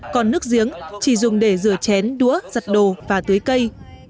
còn nước giếng chỉ dùng để rửa chén đũa giặt đồ và tưới cây